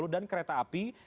dan kereta api